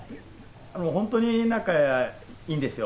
もう本当に仲いいんですよ。